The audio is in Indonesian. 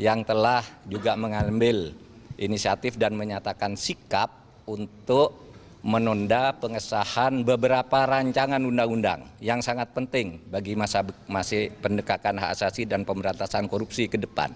yang telah juga mengambil inisiatif dan menyatakan sikap untuk menunda pengesahan beberapa rancangan undang undang yang sangat penting bagi pendekatan hak asasi dan pemberantasan korupsi ke depan